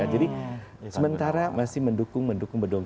jadi sementara masih mendukung mendukung mendukung